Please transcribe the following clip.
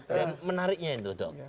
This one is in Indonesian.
dan menariknya itu dok